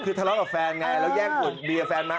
คือทะเลาะกับแฟนไงแล้วแย่งขวดเบียร์แฟนมา